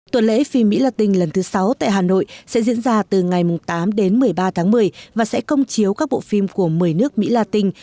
tuần lễ phim mỹ la tinh lần thứ sáu tại hà nội sẽ diễn ra từ ngày tám đến một mươi ba tháng một mươi và sẽ công chiếu các bộ phim của một mươi nước mỹ la tinh